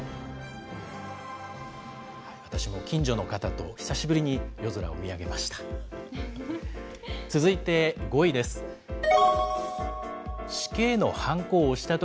私も近所の方と久しぶりに夜空を見上げました。